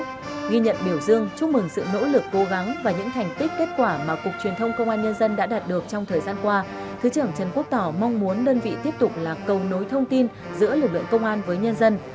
ghi nhận biểu dương chúc mừng sự nỗ lực cố gắng và những thành tích kết quả mà cục truyền thông công an nhân dân đã đạt được trong thời gian qua thứ trưởng trần quốc tỏ mong muốn đơn vị tiếp tục là cầu nối thông tin giữa lực lượng công an với nhân dân